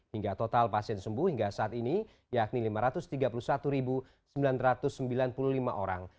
hingga total pasien sembuh hingga saat ini yakni lima ratus tiga puluh satu sembilan ratus sembilan puluh lima orang